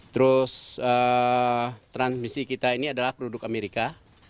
terus transmisi kita ini adalah produk amerika